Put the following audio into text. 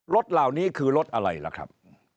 รถเหล่านี้คือรถอะไรล่ะครับ